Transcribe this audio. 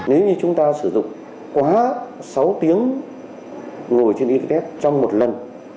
nếu như chúng ta sử dụng quá sáu tiếng ngồi trên internet trong một lần